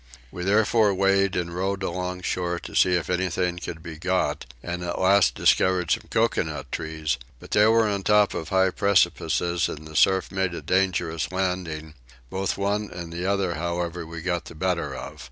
We therefore weighed and rowed along shore to see if anything could be got; and at last discovered some coconut trees; but they were on the top of high precipices and the surf made it dangerous landing: both one and the other we however got the better of.